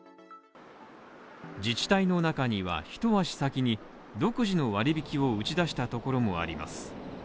自治体の中には一足先に独自の割引を打ち出したところもあります。